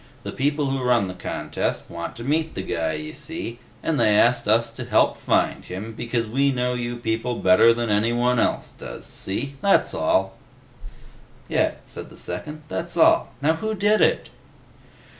The people who run the contest want to meet the guy, see? And they asked us to help find him because we know you people better than anyone else does. See? That's all!" "Yeh," said the second. "That's all. Now who did it?"